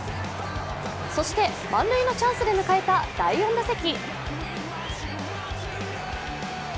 そして満塁のチャンスで迎えた第４打席。